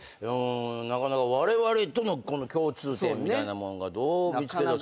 なかなかわれわれとのこの共通点みたいなもんがどう見つけ出せるのか？